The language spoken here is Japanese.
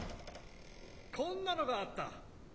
こんなのがあった！